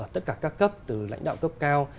tất cả các cấp từ lãnh đạo cấp cao